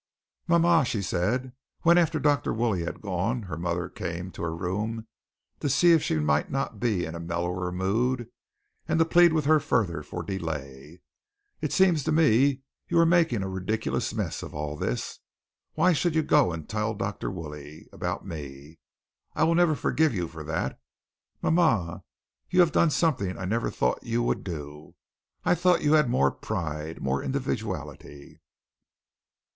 "Mama," she said, when after Dr. Woolley had gone her mother came to her room to see if she might not be in a mellower mood, and to plead with her further for delay, "it seems to me you are making a ridiculous mess of all this. Why should you go and tell Dr. Woolley about me! I will never forgive you for that. Mama, you have done something I never thought you would do. I thought you had more pride more individuality."